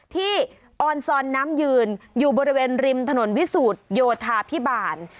ออนซอนน้ำยืนอยู่บริเวณริมถนนวิสูจน์โยธาพิบาล